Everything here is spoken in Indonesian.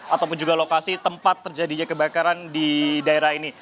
ataupun juga lokasi tempat terjadinya kebakaran di daerah ini